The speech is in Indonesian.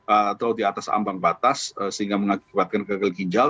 atau di atas ambang batas sehingga mengakibatkan gagal ginjal